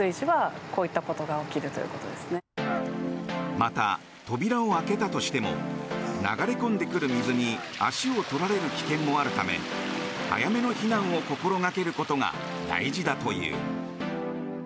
また、扉を開けたとしても流れ込んでくる水に足をとられる危険もあるため早めの避難を心がけることが大事だという。